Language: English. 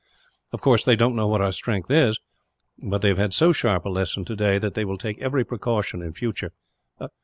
Of course, they don't know what our strength is; but they have had so sharp a lesson, today, that they will take every precaution, in future.